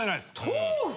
豆腐！？